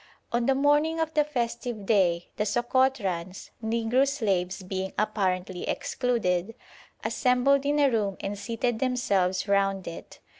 On the morning of the festive day the Sokotrans, negro slaves being apparently excluded, assembled in a room and seated themselves round it.